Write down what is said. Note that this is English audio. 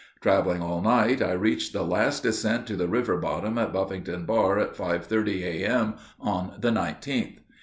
Traveling all night, I reached the last descent to the river bottom at Buffington Bar at 5.30 A.M. on the 19th.